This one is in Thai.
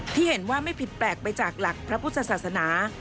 ที่เห็นว่าไม่ผิดแปลกไปจากหลักพระพุทธศาสนา